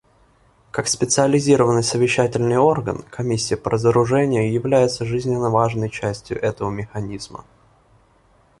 Как специализированный совещательный орган, Комиссия по разоружению является жизненно важной частью этого механизма.